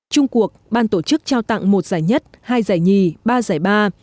trung cuộc ban tổ chức trao tặng một giải nhất hai giải nhì ba giải ba